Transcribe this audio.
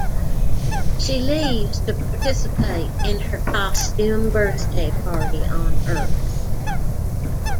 She leaves to participate in her costume birthday party on Earth.